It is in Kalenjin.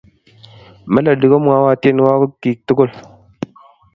melodi komwowo tienuakik tukul